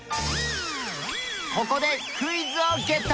ここでクイズをゲット！